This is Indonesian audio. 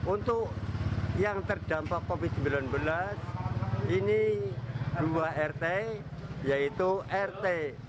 untuk yang terdampak covid sembilan belas ini dua rt yaitu rt